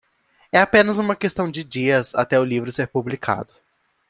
É apenas uma questão de dias até o livro ser publicado.